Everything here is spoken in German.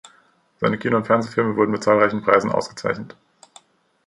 Seine Kino- und Fernsehfilme wurden mit zahlreichen Preisen ausgezeichnet.